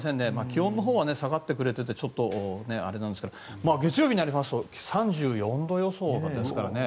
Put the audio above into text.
気温のほうは下がってくれていてちょっとあれなんですが月曜日になりますと３４度予想ですからね